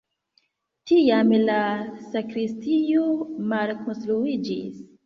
Tiam la sakristio malkonstruiĝis.